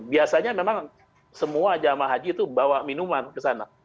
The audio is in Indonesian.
biasanya memang semua jamaah haji itu bawa minuman ke sana